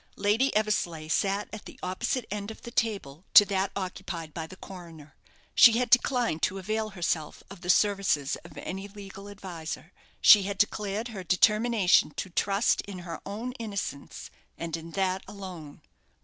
Lady Eversleigh sat at the opposite end of the table to that occupied by the coroner. She had declined to avail herself of the services of any legal adviser. She had declared her determination to trust in her own innocence, and in that alone.